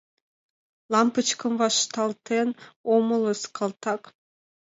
— Лампычкым вашталтен омылыс, калтак.